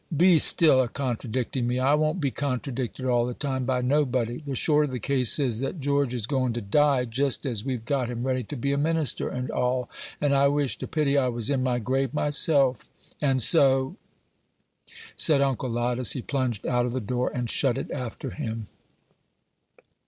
"Be still a' contradicting me; I won't be contradicted all the time by nobody. The short of the case is, that George is goin' to die just as we've got him ready to be a minister and all; and I wish to pity I was in my grave myself, and so " said Uncle Lot, as he plunged out of the door, and shut it after him.